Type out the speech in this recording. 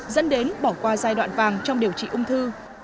dẫn đến bỏ qua giai đoạn vàng trong điều trị ung thư